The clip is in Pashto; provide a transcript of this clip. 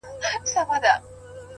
بيا به زه نه يمه عبث راپسې وبه ژاړې-